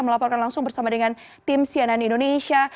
melaporkan langsung bersama dengan tim cnn indonesia